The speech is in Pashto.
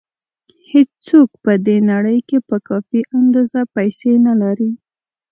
هېڅوک په دې نړۍ کې په کافي اندازه پیسې نه لري.